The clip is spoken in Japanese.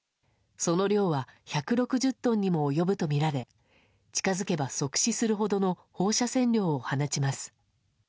その量は１６０トンにも及ぶとみられ近づけば即死するほどの放射線量を放ちます。